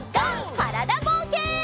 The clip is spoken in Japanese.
からだぼうけん。